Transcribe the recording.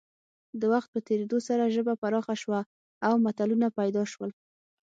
د وخت په تېرېدو سره ژبه پراخه شوه او متلونه پیدا شول